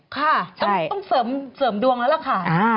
ค่ะต้องเสริมดวงแล้วล่ะค่ะ